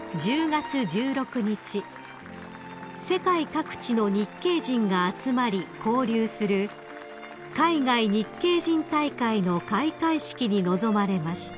世界各地の日系人が集まり交流する海外日系人大会の開会式に臨まれました］